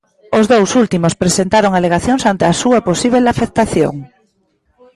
Os dous últimos presentaron alegacións ante a súa posíbel afectación.